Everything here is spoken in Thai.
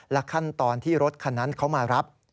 ขั้นตอนที่รถคันนั้นเขามารับ